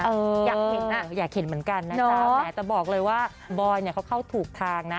อยากเห็นอ่ะอยากเห็นเหมือนกันนะจ๊ะแหมแต่บอกเลยว่าบอยเนี่ยเขาเข้าถูกทางนะ